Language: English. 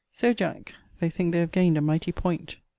So, Jack, they think they have gained a mighty point.